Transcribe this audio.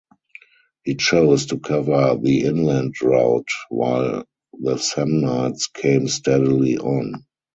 He chose to cover the inland route while the Samnites came steadily on.